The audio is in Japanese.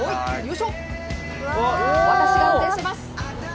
私が運転してます！